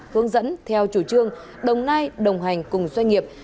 hướng dẫn theo chủ trương đồng nai đồng hành cùng doanh nghiệp